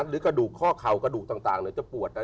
หรือกระดูกข้อเข่ากระดูกต่างหรือจะปวด